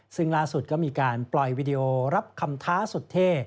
ซึ่งล่าสุดก็มีการปล่อยวีดีโอรับคำท้าสุดเท่